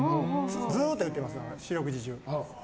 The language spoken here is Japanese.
ずっと言ってます、四六時中。